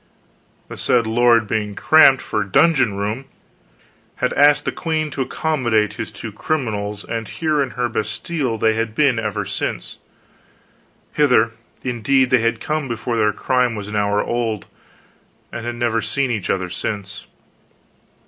The said lord being cramped for dungeon room had asked the queen to accommodate his two criminals, and here in her bastile they had been ever since; hither, indeed, they had come before their crime was an hour old, and had never seen each other since.